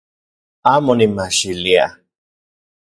Amo nimajxilia